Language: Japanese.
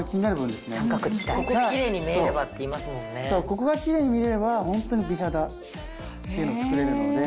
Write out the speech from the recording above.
ここがきれいに見えればホントに美肌っていうのを作れるので。